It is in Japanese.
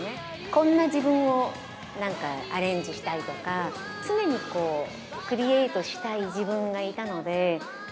こんな自分をなんか、アレンジしたいとか、常にこう、クリエートしたい自分がいたので。